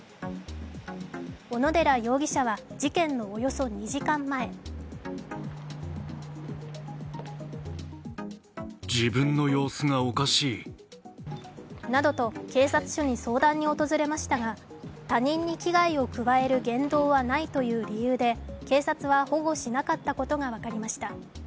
小野寺容疑者は事件のおよそ２時間前などと、警察署に相談に訪れましたが他人に危害を加える言動ないとの理由で警察は保護しなかったことが分かりました。